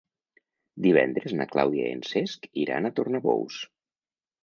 Divendres na Clàudia i en Cesc iran a Tornabous.